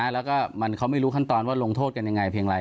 แล้วก็เขาไม่รู้ขั้นตอนว่าลงโทษกันยังไงเพียงไร